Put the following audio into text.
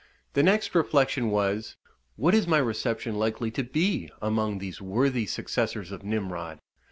The next reflection was, what is my reception likely to be among these worthy successors of Nimrod?